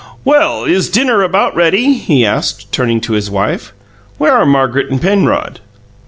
"Well, is dinner about ready?" he asked, turning to his wife. "Where are Margaret and Penrod?"